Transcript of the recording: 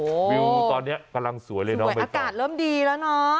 โอ้โหวิวตอนนี้กำลังสวยเลยเนาะอากาศเริ่มดีแล้วเนอะ